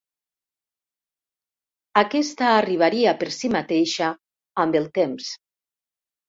Aquesta arribaria per si mateixa amb el temps.